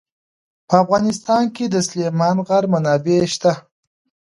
په افغانستان کې د سلیمان غر منابع شته.